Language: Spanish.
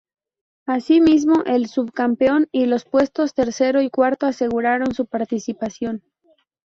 Asimismo, el subcampeón, y los puestos tercero y cuarto aseguraron su participación.